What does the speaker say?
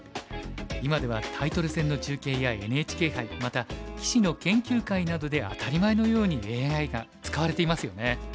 今ではタイトル戦の中継やＮＨＫ杯また棋士の研究会などで当たり前のようにＡＩが使われていますよね。